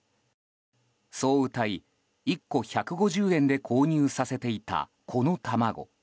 そううたい、１個１５０円で購入させていたこの卵。